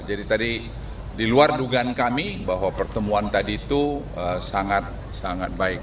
jadi tadi di luar dugaan kami bahwa pertemuan tadi itu sangat sangat baik